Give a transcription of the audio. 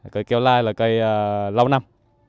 cây keo lai là cây lâu năm